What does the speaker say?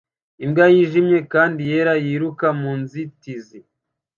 Imbwa yijimye kandi yera yiruka mu nzitizi